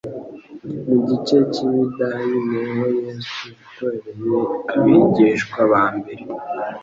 Mu gice cy'i Yudaya ni ho Yesu yatoreye abigishwa ba mbere.